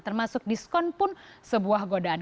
termasuk diskon pun sebuah godaan